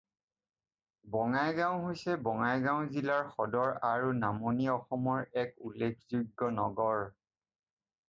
বঙাইগাঁও হৈছে বঙাইগাঁও জিলাৰ সদৰ আৰু নামনি অসমৰ এক উল্লেখযোগ্য নগৰ।